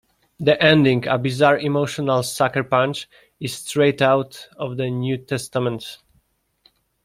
The ending, a bizarre emotional sucker punch, is straight out of the New Testament.